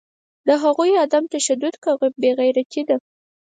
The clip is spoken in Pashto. د هغوی عدم تشدد که بیغیرتي ده